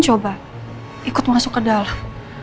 coba ikut masuk ke dalam